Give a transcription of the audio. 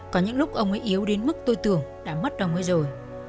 có những lúc ông ấy yếu đến mức tôi tưởng đã mất ông ấy rồi